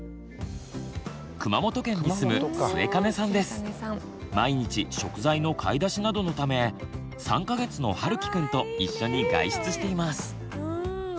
最初の質問は毎日食材の買い出しなどのため３か月のはるきくんと一緒に外出しています。